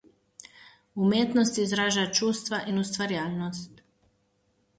Umetnost izraža čustva in ustvarjalnost.